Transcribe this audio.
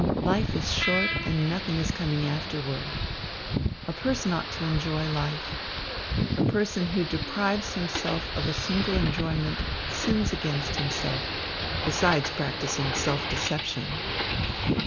Life is short, and nothing is coming afterward. A person ought to enjoy life. A person who deprives himself of a single enjoyment sins against himself, beside practising self deception."